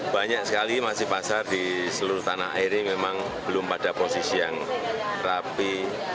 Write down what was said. banyak sekali masih pasar di seluruh tanah air ini memang belum pada posisi yang rapi